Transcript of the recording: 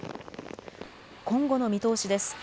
今後の見通しです。